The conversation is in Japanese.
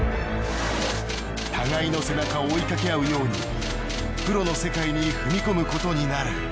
互いの背中を追いかけ合うようにプロの世界に踏み込むことになる。